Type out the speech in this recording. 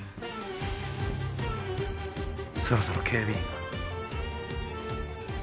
そろそろ警備員が。